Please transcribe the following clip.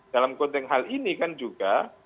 dalam konteks hal ini kan juga